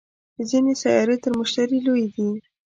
ځینې سیارې تر مشتري لویې دي